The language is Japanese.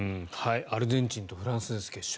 アルゼンチンとフランスです、決勝。